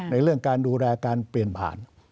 ในเรื่องการดูแลการเปลี่ยนผ่าน